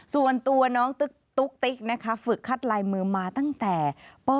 ส่วนตัวน้องตุ๊กติ๊กนะคะฝึกคัดลายมือมาตั้งแต่ป๔